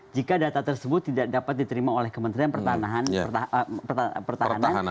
jika data tersebut tidak dapat diterima oleh kementerian pertahanan